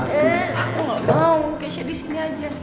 aku gak mau keisha disini aja